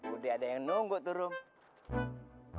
udah ada yang nunggu tuh rum